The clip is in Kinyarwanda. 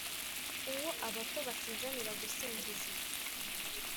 uwo abato basizanira gusingiza,